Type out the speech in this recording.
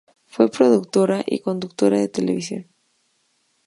Fue productora y conductora de televisión.